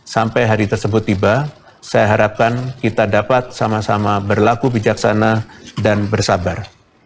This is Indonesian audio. sampai hari tersebut tiba saya harapkan kita dapat sama sama berlaku bijaksana dan bersabar